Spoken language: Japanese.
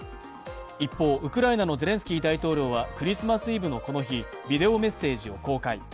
一方、ウクライナのゼレンスキー大統領は、クリスマスイブのこの日、ビデオメッセージを公開。